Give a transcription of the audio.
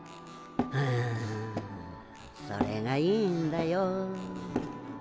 フフそれがいいんだよ。